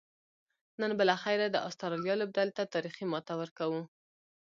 نن به لخیره د آسترالیا لوبډلې ته تاریخي ماته ورکوو